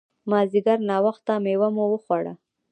مازیګر ناوخته مېوه مو وخوړه.